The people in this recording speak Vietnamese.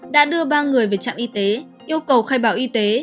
đã đưa ba người về trạm y tế yêu cầu khai báo y tế